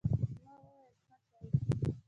ما وويل ښه شى.